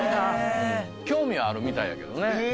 興味はあるみたいやけどね。